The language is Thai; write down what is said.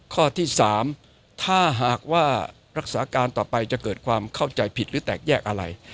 ข้อที่๓ถ้าหากว่ารักษาการต่อไปจะเกิดความเข้าใจผิดหรือแตกแยกอะไร